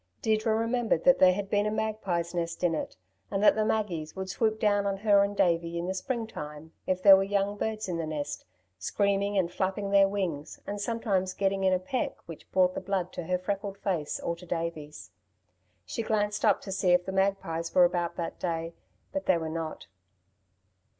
Deirdre remembered that there had been a magpie's nest in it, and that the "maggies" would swoop down on her and on Davey in the springtime, if there were young birds in the nest, screaming and flapping their wings, and sometimes getting in a peck which brought the blood to her freckled face or to Davey's. She glanced up to see if the magpies were about that day; but they were not.